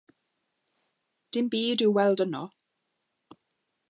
Dim byd i'w weld yno.